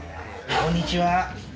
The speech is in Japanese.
こんにちは。